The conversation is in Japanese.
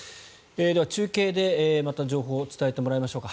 では、中継でまた情報を伝えてもらいましょうか。